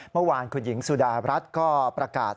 เมื่อวานคุณหญิงสุดารัฐก็ประกาศ